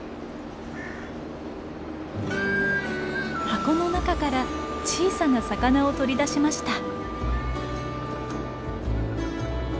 箱の中から小さな魚を取り出しました。